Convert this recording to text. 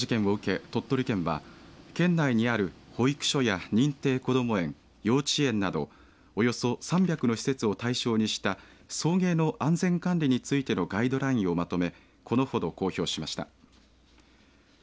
この事件を受け、鳥取県は県内にある保育所や認定こども園幼稚園などおよそ３００の施設を対象にした送迎の安全管理についてのガイドラインをまとめ